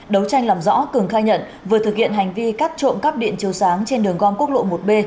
đấu tranh làm rõ cường khai nhận vừa thực hiện hành vi cắt trộm cắp điện chiếu sáng trên đường gom quốc lộ một b